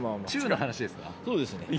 そうですね。